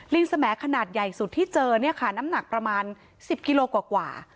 สมัยขนาดใหญ่สุดที่เจอเนี่ยค่ะน้ำหนักประมาณ๑๐กิโลกว่า